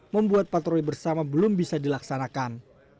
membuat patroli bersama belum bisa dilaksanakan